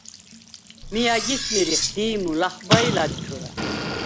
მი ა̈გის მირიხ: დი̄ჲმუ, ლახვბა ი ლადჩურა.